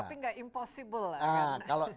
tapi gak impossible lah kan